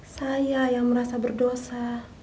saya yang merasa berdosa